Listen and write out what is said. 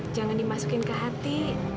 jangan dimasukin ke hati